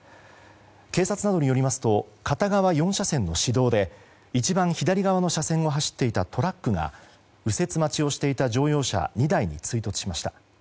警察などによりますと片側４車線の市道で一番左側の車線を走っていたトラックが右折待ちをしていた乗用車２台に追突しました。